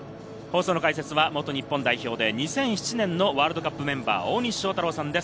解説は元日本代表で２００７年のワールドカップメンバー、大西将太郎さんです。